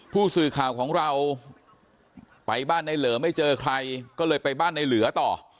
ผู้สื่อข่าวของเราไปบ้านในเหลือไม่เจอใครก็เลยไปบ้านในเหลือต่อ